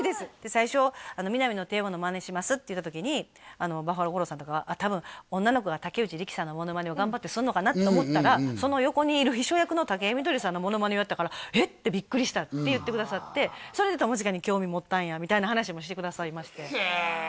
最初「ミナミの帝王」のマネしますって言った時にバッファロー吾郎さんとかは多分女の子が竹内力さんのモノマネを頑張ってするのかなと思ったらその横にいる秘書役の竹井みどりさんのモノマネをやったから「えっ！」ってビックリしたって言ってくださってそれで友近に興味持ったんやみたいな話もしてくださいましてへえ